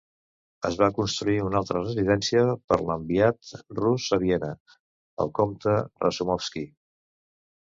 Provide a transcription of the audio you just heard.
Es va construir una altra residència per l'enviat rus a Viena, el comte Razumovsky.